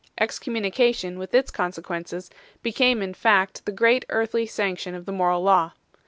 Excommunication, with its consequences, became in fact the great earthly sanction of the moral law.